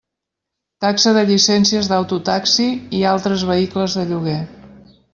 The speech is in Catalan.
Taxa de llicències d'auto taxi i altres vehicles de lloguer.